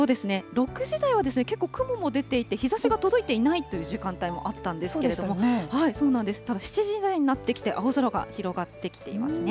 ６時台は結構雲も出ていて、日ざしが届いていないという時間帯もあったんですけれども、ただ７時台になってきて、青空が広がってきていますね。